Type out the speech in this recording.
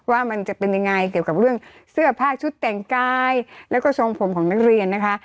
ว่ามันจะเป็นยังไงเกี่ยวกับเรื่องเสื้อผ้าชุดแต่งกายแล้วก็ทรงผมของนักเรียนนะคะ